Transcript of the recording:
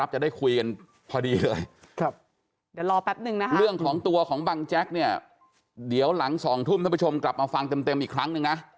แจ๊กเรื่องของตัวของบางแจ๊กเนี่ยเดี๋ยวหลัง๒ทุ่มท่านผู้ชมกลับมาฟังเต็มอีกครั้งนึงนะ